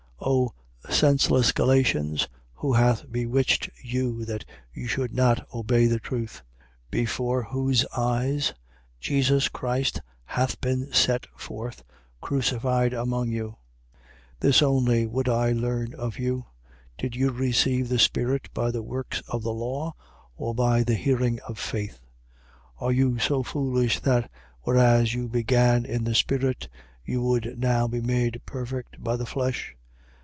3:1. O senseless Galatians, who hath bewitched you that you should not obey the truth: before whose eyes Jesus Christ hath been set forth, crucified among you? 3:2. This only would I learn of you: Did you receive the Spirit by the works of the law or by the hearing of faith? 3:3. Are you so foolish that, whereas you began in the Spirit, you would now be made perfect by the flesh?